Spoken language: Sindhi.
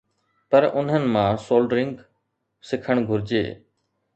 پر انهن مان سولڊرنگ سکڻ گهرجي.